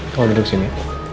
kau duduk sini